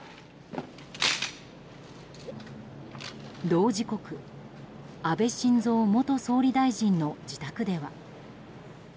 同時刻、安倍晋三元総理大臣の自宅では。